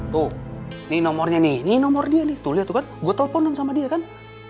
tuh nih nomornya nih nih nomor dia nih tuh liat tuh kan gue telponan sama dia kan